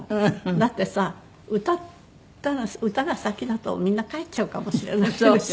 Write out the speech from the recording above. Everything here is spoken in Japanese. だってさ歌が先だとみんな帰っちゃうかもしれないでしょ。